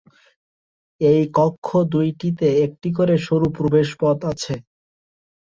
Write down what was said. এই কক্ষ দুইটিতে একটি করে সরু প্রবেশ পথ আছে।